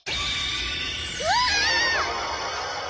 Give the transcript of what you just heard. うわ！